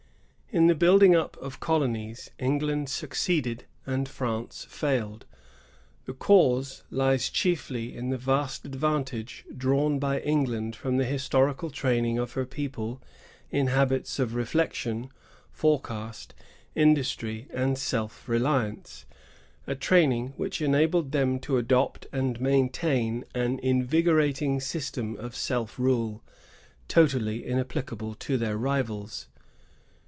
In the building up of colonies, England succeeded and France failed. The cause lies chiefly in the vast advantage drawn by England from the historical training of her people in habits of reflection, forecast, industry, and self reUance, a training which enabled 200 CANADIAN ABSOLUTISM. [1663 1763. them to adopt and maintain an invigorating system of self rule, totally inapplicable to their rivals.